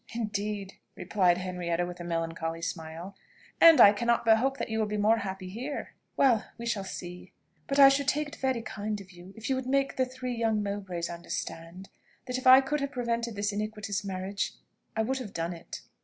"Indeed!" replied Henrietta with a melancholy smile. "And I cannot but hope that you will be more happy here." "Well! we shall see. But I should take it very kind of you if you would make the three young Mowbrays understand, that if I could have prevented this iniquitous marriage, I would have done it."